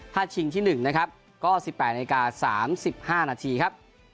ถ้าชิงที่๑นะครับก็๑๘นาที๓๕นาทีครับ